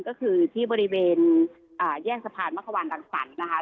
ก็คือที่บริเวณอ่าแยกสะพานมะขวานต่างชั้นนะคะ